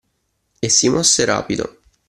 E si mosse rapido.